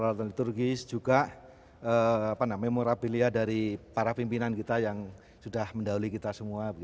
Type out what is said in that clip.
peralatan liturgis juga memorabilia dari para pimpinan kita yang sudah mendahului kita semua